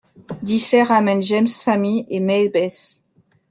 Dicey ramène James Sammy et Maybeth.